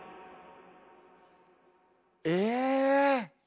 え！